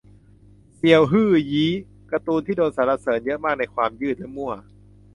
เซียวฮื่อยี้ -การ์ตูนที่โดนสรรเสริญเยอะมากในความยืดและมั่ว